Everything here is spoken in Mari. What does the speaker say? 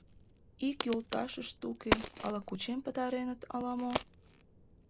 Ик йолташышт уке, ала кучен петыреныт, ала-мо.